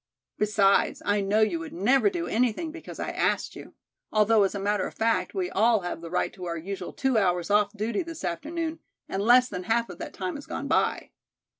Besides I know you would never do anything because I asked you, although as a matter of fact, we all have the right to our usual two hours off duty this afternoon and less than half of that time has gone by."